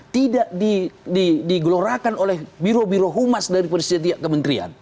tidak digelorakan oleh biru biru humas dari persediaan kementerian